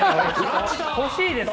欲しいですか？